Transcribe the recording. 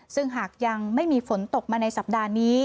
ซึ่งหากยังไม่มีฝนตกมาในสัปดาห์นี้